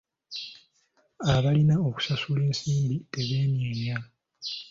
Abalina okusasula ensimbi tebeenyeenya.